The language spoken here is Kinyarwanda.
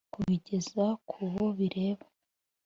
kubigeza ku bo bireba